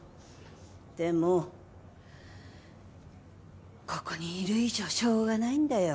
でもここにいる以上しょうがないんだよ。